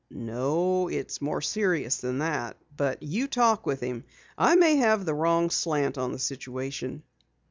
"No, it's more serious than that. But you talk with him. I may have the wrong slant on the situation."